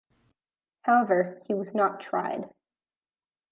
However, he was not tried.